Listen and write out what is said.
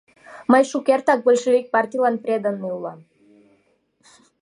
— Мый шукертак большевик партийлан преданный улам!